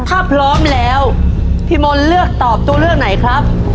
ถ้าพร้อมแล้วพี่มนต์เลือกตอบตัวเลือกไหนครับ